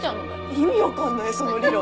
意味分かんないその理論。